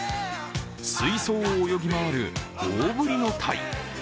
水槽を泳ぎ回る大ぶりの鯛。